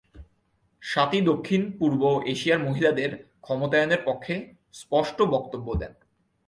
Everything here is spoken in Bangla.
স্বাতী দক্ষিণ পূর্ব এশিয়ার মহিলাদের ক্ষমতায়নের পক্ষে স্পষ্ট বক্তব্য দেন।